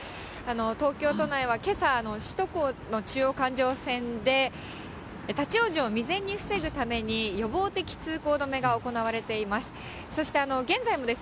東京都からはけさ、首都高の中央環状線で、立往生を未然に防ぐために予防的通行止めが行われています。